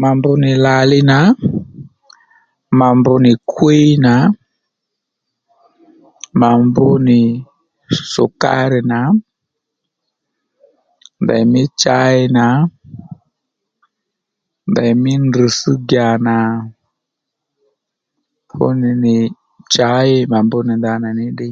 Mà mbr nì làli nà mà mbr nì kwíy nà mà mbr nì shùkári nà ndèymí chǎy nà ndèymí ndr̀ss gyà nà fú nì nì chǎy mà mbr nì ndanà ní ddíy